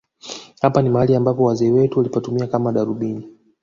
Hapa ni mahali ambapo wazee wetu walipatumia kama darubini